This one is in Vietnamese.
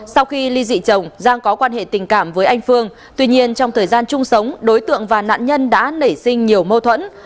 sau khi ly dị chồng giang có quan hệ tình cảm với anh phương tuy nhiên trong thời gian chung sống đối tượng và nạn nhân đã nảy sinh nhiều mâu thuẫn